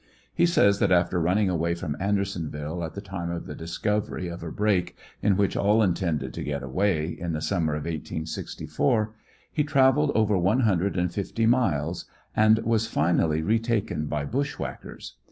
He says that after running away from Andersonville at the time of the discovery of a break in which all intended to get away in the summer of 1864, he traveled over one hundred and fifty miles and was finally re taken by bushwhackers.